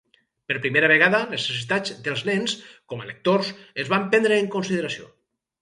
Per primera vegada, les necessitats dels nens com a lectors es van prendre en consideració.